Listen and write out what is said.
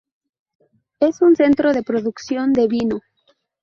Es un centro de producción de vino.